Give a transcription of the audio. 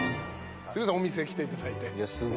すいませんお店来ていただいて。